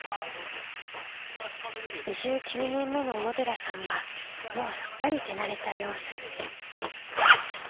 移住９年目の小野寺さんはもうすっかり手慣れた様子。